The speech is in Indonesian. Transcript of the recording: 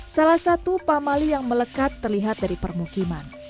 salah satu pamali yang melekat terlihat dari permukiman